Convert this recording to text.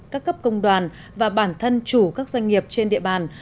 các cấp công đoàn và bản thân chủ các doanh nghiệp trên địa bàn